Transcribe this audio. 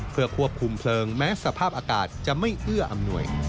เพื่อควบคุมเพลิงแม้สภาพอากาศจะไม่เอื้ออำนวย